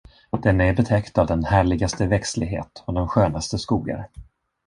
Den är betäckt av den härligaste växtlighet och de skönaste skogar.